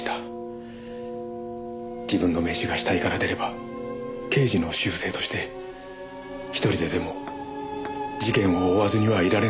自分の名刺が死体から出れば刑事の習性として一人ででも事件を追わずにはいられないだろうと考えました。